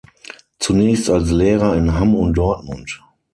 Zunächst als Lehrer in Hamm und Dortmund.